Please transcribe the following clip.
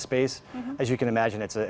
seperti yang anda bisa bayangkan